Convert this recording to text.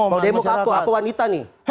kalau demo ke aku aku wanita nih